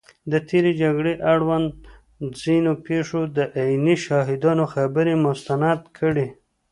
د تېرې جګړې اړوند ځینو پېښو د عیني شاهدانو خبرې مستند کړي